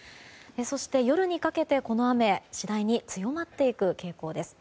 そして、夜にかけてこの雨次第に強まっていく傾向です。